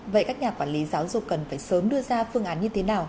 vậy các nhà quản lý giáo dục cần phải sớm đưa ra phương án như thế nào